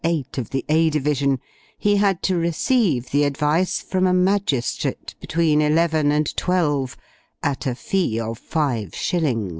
8, of the A division, he had to receive the advice, from a magistrate, between eleven and twelve, at a fee of five shillings.